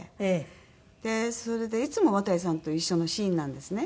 それでいつも渡さんと一緒のシーンなんですね。